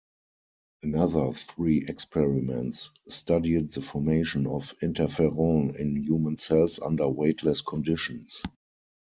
Another three experiments studied the formation of interferon in human cells under weightless conditions.